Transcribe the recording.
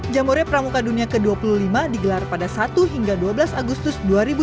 jambore pramuka dunia ke dua puluh lima digelar pada satu hingga dua belas agustus dua ribu dua puluh